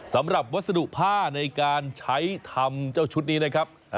สำหรับวัสดุผ้าในการใช้ทำเจ้าชุดนี้